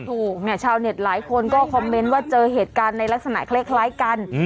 ถูกเนี่ยชาวเน็ตหลายคนก็คอมเมนต์ว่าเจอเหตุการณ์ในลักษณะคล้ายกัน